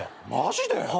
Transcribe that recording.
マジで？